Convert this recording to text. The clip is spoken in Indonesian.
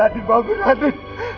adit bangun adit